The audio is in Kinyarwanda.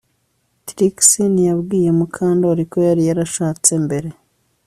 Trix ntiyabwiye Mukandoli ko yari yarashatse mbere